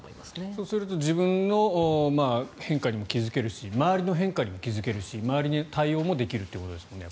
そうすると自分の変化にも気付けるし周りの変化にも気付けるし周りの対応もできるということですよね。